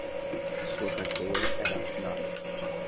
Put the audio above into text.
Sua carteira era assinada